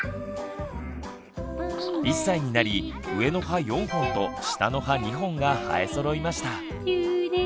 １歳になり上の歯４本と下の歯２本が生えそろいました。